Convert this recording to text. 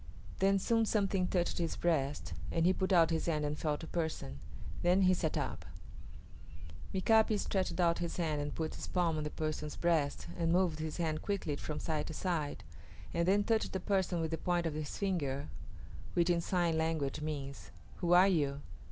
Then soon something touched his breast, and he put out his hand and felt a person. Then he sat up. [Footnote A: The Great Falls of the Missouri.] Mika´pi stretched out his hand and put its palm on the person's breast and moved his hand quickly from side to side, and then touched the person with the point of his finger, which in sign language means, "Who are you?"